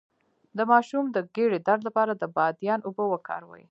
د ماشوم د ګیډې درد لپاره د بادیان اوبه وکاروئ